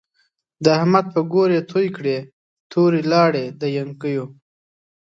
د احمد په ګور يې تو کړی، توری ناړی د يڼکيو